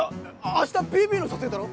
明日ＰＶの撮影だろ？